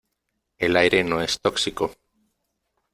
El aire no es tóxico.